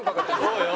そうよ。